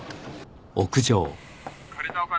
借りたお金